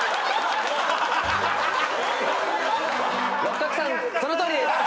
六角さんそのとおりです。